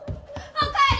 お帰り